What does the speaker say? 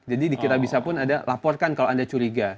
jadi di kitabisa pun ada laporkan kalau ada curiga